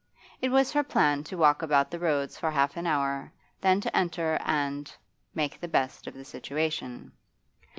It was her plan to walk about the roads for half an hour, then to enter and make the best of the situation.